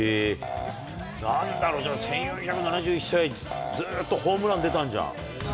なんだろう、１４７１試合ずーっとホームラン出たんじゃん？